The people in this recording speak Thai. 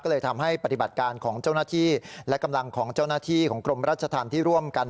ก็เลยทำให้ปฏิบัติการของเจ้าหน้าที่และกำลังของเจ้าหน้าที่ของกรมราชธรรมที่ร่วมกัน